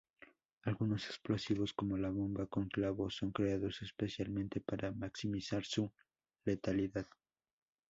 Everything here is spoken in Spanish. Algunos explosivos, como la bomba con clavos, son creados especialmente para maximizar su letalidad.